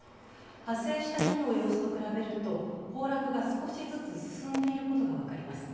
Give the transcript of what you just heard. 発生した日の様子と比べると、崩落が少しずつ進んでいることが分かります。